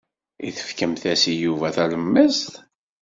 I tefkemt-as i Yuba talemmiẓt?